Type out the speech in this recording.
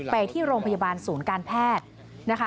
ไปที่โรงพยาบาลศูนย์การแพทย์นะคะ